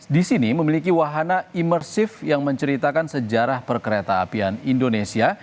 di sini memiliki wahana imersif yang menceritakan sejarah perkereta apian indonesia